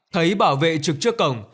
thấy bảo vệ trực trước cổng